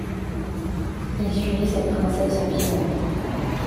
Il suivit cette princesse en Piémont.